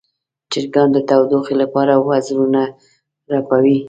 چرګان د تودوخې لپاره وزرونه رپوي.